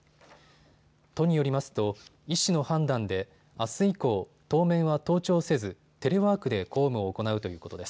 都によりますと医師の判断であす以降、当面は登庁せずテレワークで公務を行うということです。